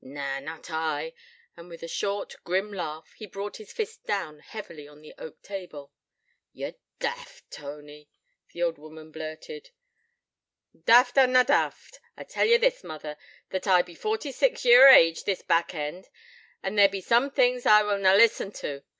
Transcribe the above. Na, not I,' and, with a short, grim laugh, he brought his fist down heavily on the oak table. 'Ye're daft, Tony,' the old woman blurted. 'Daft or na daft, I tell ye this, mother, that I be forty six year o' age this back end, and there be some things I will na listen to.